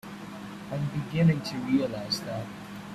I'm beginning to realize that.